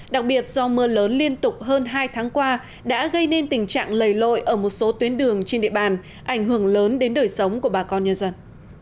đặc biệt do mưa lớn liên tục hơn hai tháng qua đã gây nên tình trạng lầy lội ở một số tuyến đường trên địa bàn ảnh hưởng lớn đến đời sống của bà con nhân dân